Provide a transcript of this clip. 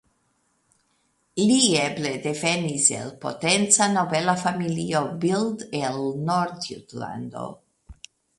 Li eble devenis el potenca nobela familio Bild el Nordjutlando.